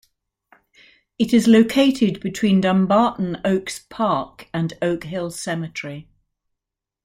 It is located between Dumbarton Oaks Park, and Oak Hill Cemetery.